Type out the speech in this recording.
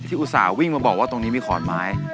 อุตส่าห์วิ่งมาบอกว่าตรงนี้มีขอนไม้